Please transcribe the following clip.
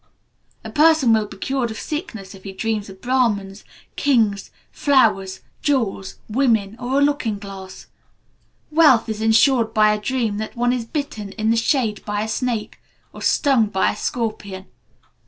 A person will be cured of sickness if he dreams of Braahmans, kings, flowers, jewels, women, or a looking glass. Wealth is ensured by a dream that one is bitten in the shade by a snake, or stung by a scorpion.